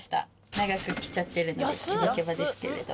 長く着ちゃってるのでケバケバですけれど。